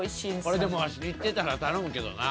これでもワシ行ってたら頼むけどな。